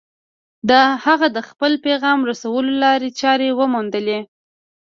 هغه د خپل پيغام رسولو لارې چارې وموندلې.